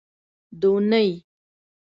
دونۍ